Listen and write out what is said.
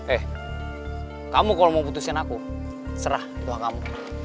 eh kamu kalo mau putusin aku serah itu aja kamu